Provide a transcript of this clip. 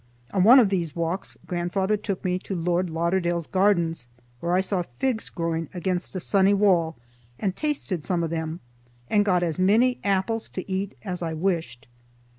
On one of these walks grandfather took me to Lord Lauderdale's gardens, where I saw figs growing against a sunny wall and tasted some of them, and got as many apples to eat as I wished.